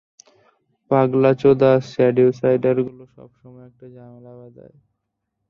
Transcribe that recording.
পাগলাচোদা Shadysider গুলো সবসময় একটা ঝামেলা বাঁধায়।